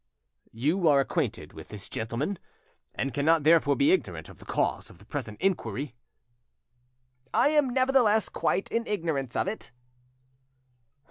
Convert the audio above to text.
"You are acquainted with this gentleman, and cannot therefore be ignorant of the cause of the present inquiry." "I am, nevertheless, quite in ignorance of it."